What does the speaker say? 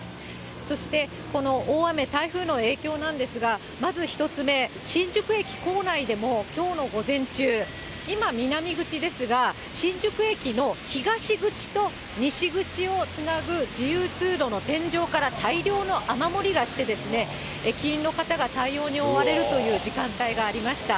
そしてこの大雨、台風の影響なんですが、まず１つ目、新宿駅構内でもきょうの午前中、今、南口ですが、新宿駅の東口と西口をつなぐ自由通路の天井から大量の雨漏りがして、駅員の方が対応に追われるという時間帯がありました。